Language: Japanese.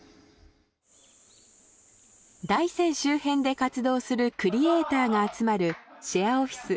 大山周辺で活動するクリエイターが集まるシェアオフィス